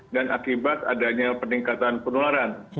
dan akibat adanya peningkatan penularan